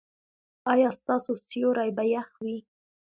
ایا ستاسو سیوري به يخ وي؟